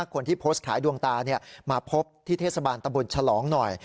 คนที่โพสต์ขายดวงตามาพบที่เทศบาลตะบนฉลองหน่อย